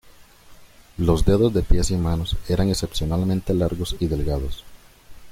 Los dedos de pies y manos eran excepcionalmente largos y delgados.